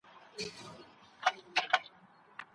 کوښښ وکړئ چي هغه خبرو او خندا ته وهڅول سي.